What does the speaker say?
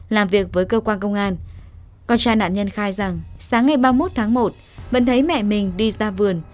làm việc với cơ quan công an con trai nạn nhân khai rằng sáng ngày ba mươi một tháng một vẫn thấy mẹ mình đi ra vườn